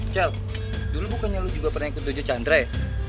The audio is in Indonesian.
cel dulu bukannya lo juga pernah ikut dojo chandra ya